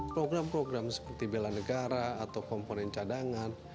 program program seperti bela negara atau komponen cadangan